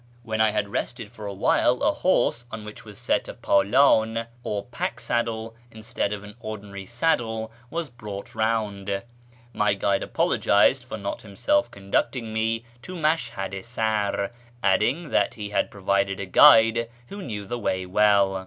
When I had rested for a while, a horse, on which was set a ^jft/^m, or pack saddle, instead of an ordinary saddle, w^as brought round. My guide apologised for not himself conduct ing me to Mashhad i Sar, adding that he had provided a guide who knew the way well.